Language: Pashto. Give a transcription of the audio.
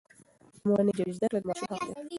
د مورنۍ ژبې زده کړه د ماشوم حق دی.